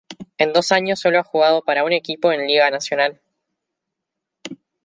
En dos años solo ha jugado para un equipos en Liga Nacional